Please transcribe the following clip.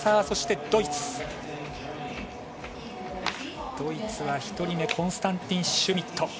そしてドイツ、ドイツは１人目、コンスタンティン・シュミット。